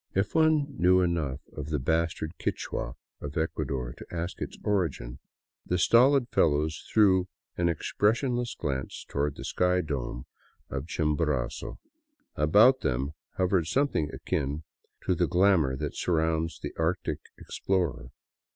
If one knew enough of the bastard Quichua of Ecuador to ask its origin, the stolid fellows threw an ex pressionless glance toward the icy dome of Chimborazo. About them hovered something akin to the glamour that surrounds the Arctic ex plorer.